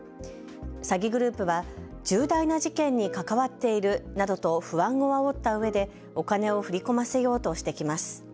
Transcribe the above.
詐欺グループは重大な事件に関わっているなどと不安をあおったうえでお金を振り込ませようとしてきます。